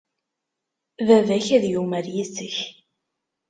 Baba-k ad yumar yes-k.